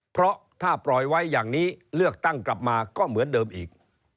เพราะถ้าปล่อยไว้อย่างนี้เลือกตั้งกลับมาก็เหมือนเดิมอีก